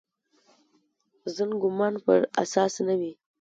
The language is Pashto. ظن ګومان پر اساس نه وي.